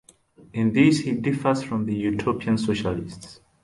In this he differs from the Utopian Socialists.